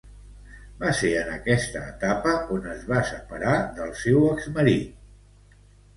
Va ser en esta etapa on es va separar del seu exmarit.